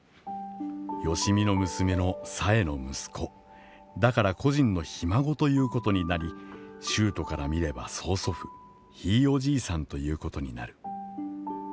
吉美の娘の紗重の息子、だから故人のひ孫ということになり、秀斗から見れば曾祖父、ひいおじいさんということになる。